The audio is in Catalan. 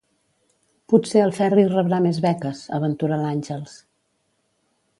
Potser el Ferri rebrà més beques –aventura l'Àngels.